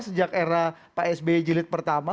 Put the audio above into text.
sejak era pak sby jilid pertama